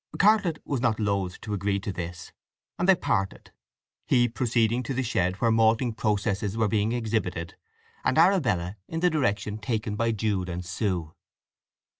Cartlett was not loath to agree to this, and they parted—he proceeding to the shed where malting processes were being exhibited, and Arabella in the direction taken by Jude and Sue.